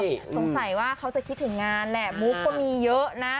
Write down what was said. สงสัยว่าเขาจะคิดถึงงานแหละมุกก็มีเยอะนะ